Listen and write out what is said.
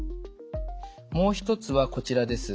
もう一つはこちらです。